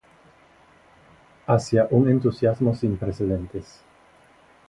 Hacia un entusiasmo sin precedentes".